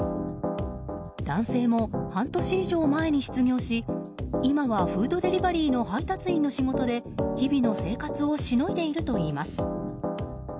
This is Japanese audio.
男性も半年以上前に失業し今はフードデリバリーの配達員の仕事で日々の生活をしのいでいるといいます。